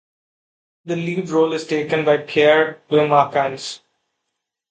The lead role is taken by Pierre Beaumarchais.